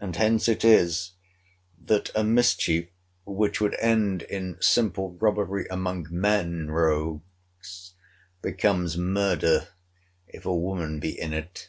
And hence it is, that a mischief which would end in simple robbery among men rogues, becomes murder, if a woman be in it.